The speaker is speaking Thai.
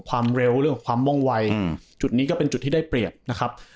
ความเร็วเรื่องของความม่องวัยจุดนี้ก็เป็นจุดที่ได้เปรียบนะครับ